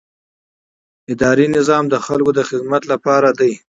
اداري نظام د خلکو د خدمت لپاره دی.